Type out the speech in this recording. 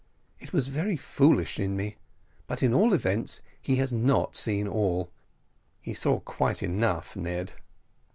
"It was very foolish in me; but at all events he has not seen all." "He saw quite enough, Ned."